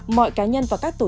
mọi cá nhân và các tổ chức